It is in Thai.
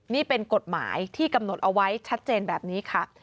นี่เป็นกฎหมายที่กำหนดเอาไว้ชัดเจนแบบนี้ค่ะ